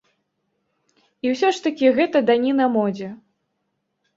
І ўсё ж такі гэта даніна модзе.